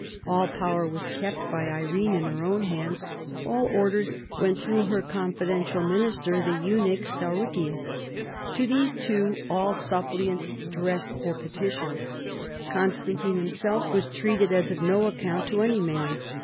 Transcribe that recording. All power was kept by Irene in her own hands, all orders went through her confidential minister the eunuch Stauracius. To these two all suppliants dressed their petitions. Constantine himself was treated as of no account to any man.